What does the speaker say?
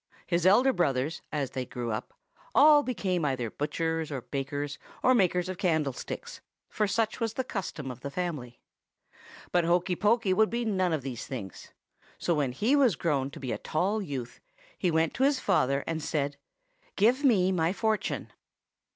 His elder brothers, as they grew up, all became either butchers or bakers or makers of candlesticks, for such was the custom of the family. But Hokey Pokey would be none of these things; so when he was grown to be a tall youth he went to his father and said, 'Give me my fortune.